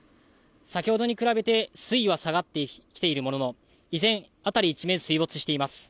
先ほどに比べて水位は下がってきているものの、以前、辺り一面水没しています。